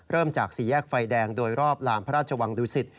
จากสี่แยกไฟแดงโดยรอบลานพระราชวังดุสิต